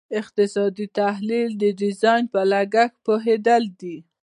اقتصادي تحلیل د ډیزاین په لګښت پوهیدل دي.